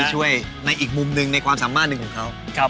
ช่วยในอีกมุมหนึ่งในความสามารถหนึ่งของเขา